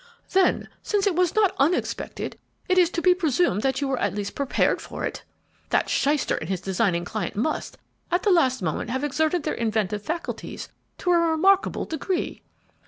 "Then, since it was not unexpected, it is to be presumed that you were at least prepared for it! That shyster and his designing client must, at the last moment, have exerted their inventive faculties to a remarkable degree!"